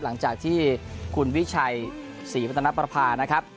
หลังจากที่คุณวิชัยศรีวัฒนประภานะครับ